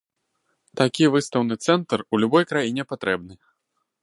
Такі выстаўны цэнтр у любой краіне патрэбны.